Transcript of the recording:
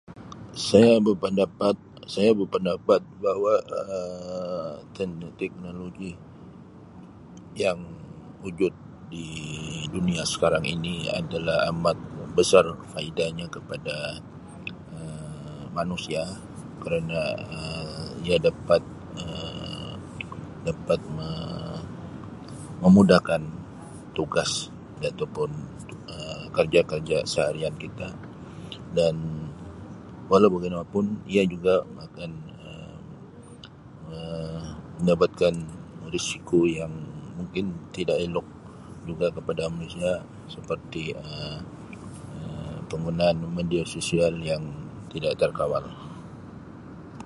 Saya bepandapat-saya bepandapat bahwa Um teng-teknologi yang wujud di dunia sekarang ini adalah amat besar faedahnya kepada Um manusia kerana Um ia dapat Um dapat me-memudahkan tugas ataupun Um kerja-kerja seharian kita dan walau bagaimanapun, ia juga makan Um mendapatkan risiko yang mungkin tidak elok juga kepada manusia seperti Um penggunaan media sosial yang tidak terkawal.